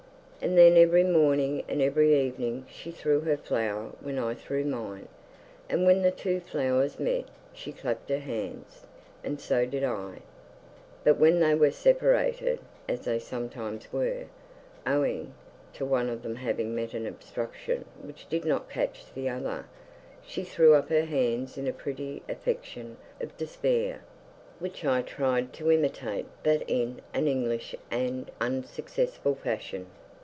And then every morning and every evening she threw her flower when I threw mine, and when the two flowers met she clapped her hands, and so did I; but when they were separated, as they sometimes were, owing to one of them having met an obstruction which did not catch the other, she threw up her hands in a pretty affectation of despair, which I tried to imitate but in an English and unsuccessful fashion.